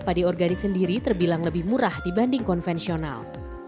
padi organik sendiri terbilang lebih murah dibanding konvensional